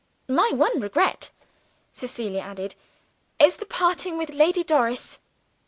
"My one regret," Cecilia added, "is the parting with Lady Doris.